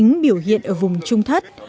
tính biểu hiện ở vùng trung thất